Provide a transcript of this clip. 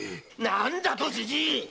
何だとじじい！